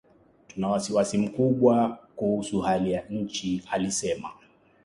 Tuna wasiwasi mkubwa kuhusu hali ya nchi alisema